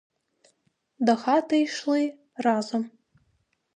До хати йшли разом.